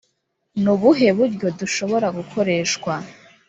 nubuhe buryo dushobora gukoreshwa